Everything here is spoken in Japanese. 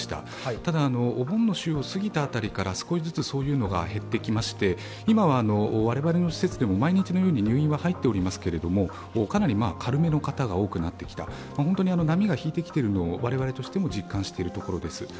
ただ、お盆の週を過ぎてから少しずつそういうのが減ってきまして今は我々の施設でも毎日のように入院は入っていますがかなり軽めの方が多くなってきた、本当に波が引いてきているのを我々としても実感しているところです。